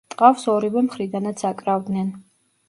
ტყავს ორივე მხრიდანაც აკრავდნენ.